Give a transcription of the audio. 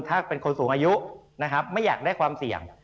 ถ้าเป็นคนสูงอายุนะครับไม่อยากได้ความเสี่ยง